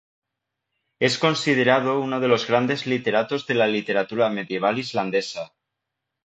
Es considerado uno de los grandes literatos de la literatura medieval islandesa.